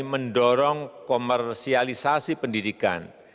mendorong komersialisasi pendidikan